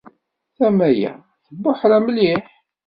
Tama-ya tebbuḥra mliḥ.